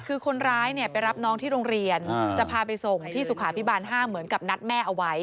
คือคนร้ายไปรับน้องที่โรงเรียนจะพาไปส่งที่สุขาพิบาล๕เหมือนกับนัดแม่เอาไว้